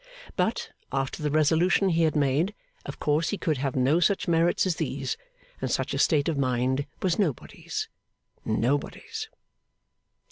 But, after the resolution he had made, of course he could have no such merits as these; and such a state of mind was nobody's nobody's.